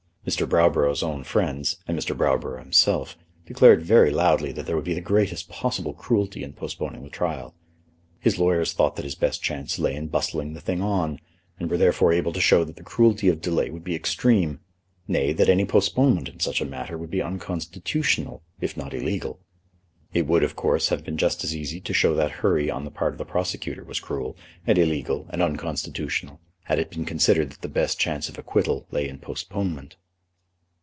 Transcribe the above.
Mr. Browborough's own friends, and Mr. Browborough himself, declared very loudly that there would be the greatest possible cruelty in postponing the trial. His lawyers thought that his best chance lay in bustling the thing on, and were therefore able to show that the cruelty of delay would be extreme, nay, that any postponement in such a matter would be unconstitutional, if not illegal. It would, of course, have been just as easy to show that hurry on the part of the prosecutor was cruel, and illegal, and unconstitutional, had it been considered that the best chance of acquittal lay in postponement.